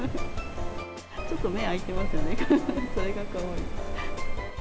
ちょっと目開いてますね、それがかわいい。